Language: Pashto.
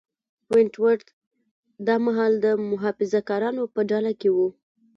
ونټ ورت دا مهال د محافظه کارانو په ډله کې و.